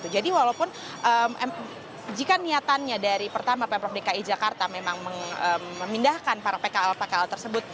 jadi walaupun jika niatannya dari pertama pemerintah dki jakarta memang memindahkan para pkl pkl tersebut